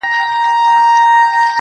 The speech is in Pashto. ستونزې ډېرېده اكثر~